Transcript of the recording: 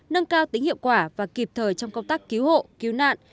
nâng cao tính hiệu quả và kịp thời trong công tác cứu hộ cứu nạn